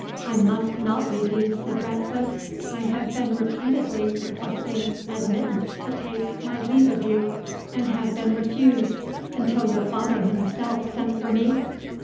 "I must not leave you," said Ratcliffe; "I have been repeatedly requesting admittance to take my leave of you, and have been refused, until your father himself sent for me.